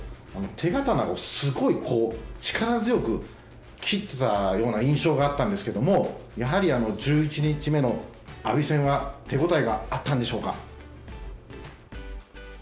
手刀をすごい強く切っていたような印象があったんですけどもやはり１１日目の阿炎戦は手ごたえがあったんでしょうか。